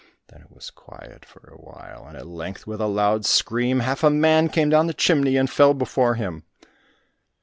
Then it was quiet for awhile, and at length with a loud scream, half a man came down the chimney and fell before him.